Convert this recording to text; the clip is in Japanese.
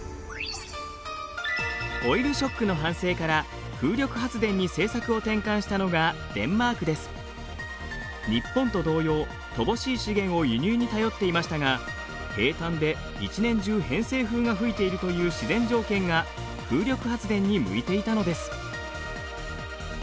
オイルショックの反省から風力発電に政策を転換したのが日本と同様乏しい資源を輸入に頼っていましたが平たんで１年中偏西風が吹いているという自然条件が風力発電に向いていたのです。